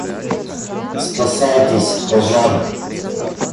Спасайтесь, пожар!